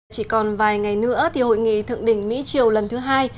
chỉ còn vài ngày nữa thì hội nghị thượng đỉnh mỹ triều lần thứ hai